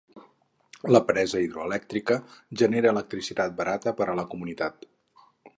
La presa hidroelèctrica genera electricitat barata per a la comunitat.